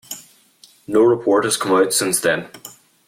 No report has come out since then.